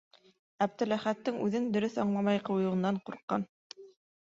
Әптеләхәттең үҙен дөрөҫ аңламай ҡуйыуынан ҡурҡҡан.